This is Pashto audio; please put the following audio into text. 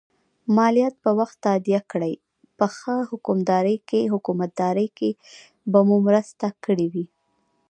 مالیات په وخت تادیه کړئ په ښه حکومتدارۍ کې به مو مرسته کړي وي.